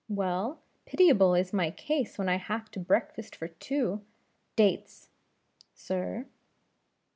"Well, pitiable is my case when I have to breakfast for two. Dates!" "Sir."